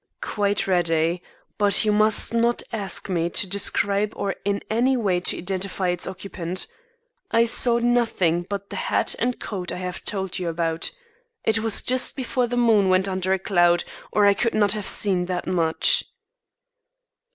"Quite ready; but you must not ask me to describe or in any way to identify its occupant. I saw nothing but the hat and coat I have told you about. It was just before the moon went under a cloud, or I could not have seen that much."